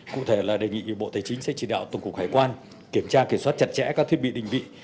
cụ thể là đề nghị bộ tài chính sẽ chỉ đạo tổng cục hải quan kiểm tra kiểm soát chặt chẽ các thiết bị định vị